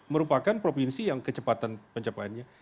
merupakan provinsi yang kecepatan pencapaiannya